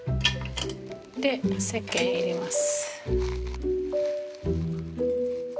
でせっけん入れます。